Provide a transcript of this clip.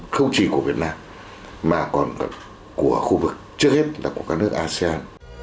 không chỉ của việt nam mà còn của khu vực trước hết là của các nước asean